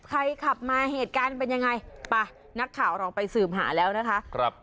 ใครขับมาเหตุการณ์เป็นยังไงป่ะนักข่าวเราไปสืบหาแล้วนะคะครับ